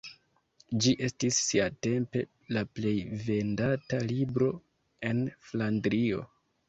Ĝi estis siatempe la plej vendata libro en Flandrio.